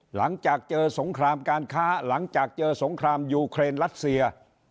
หลังจากเจอสงครามการค้าหลังจากเจอสงครามยูเครนรัสเซีย